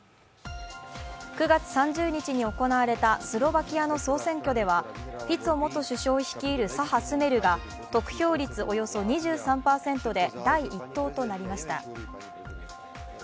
９月３０日に行われたスロバキアの総選挙では、フィツォ元首相率いる左派・スメルが得票率およそ２３％で第１党となりました。